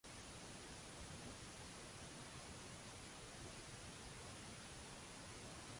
Ikolli nammetti li t-triq saret monotona u bla gost.